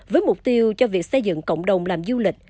với mục tiêu cho việc xây dựng cộng đồng làm du lịch